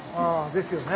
ですよね。